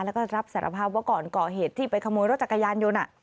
แล้วก็รับสารภาพว่าก่อนก่อเหตุที่ไปขโมยรถจักรยานยนต์